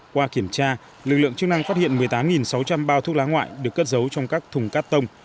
qua kiểm tra lực lượng chức năng phát hiện một mươi tám sáu trăm linh bao thuốc lá ngoại được cất giấu trong các thùng cắt tông